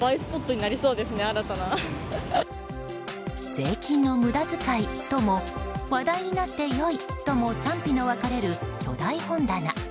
税金の無駄遣いとも話題になって良いとも賛否の分かれる巨大本棚。